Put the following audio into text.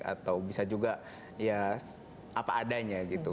atau bisa juga ya apa adanya gitu